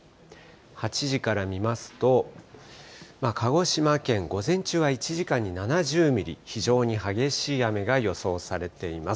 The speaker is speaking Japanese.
８時から見ますと、鹿児島県、午前中は１時間に７０ミリ、非常に激しい雨が予想されています。